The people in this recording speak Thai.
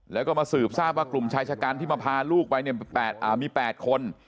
แล้วก็มาสืบทราบว่ากลุ่มชายชะกันที่มาพาลูกไปเนี่ยมี๘คน